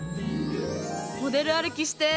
モデル歩きして！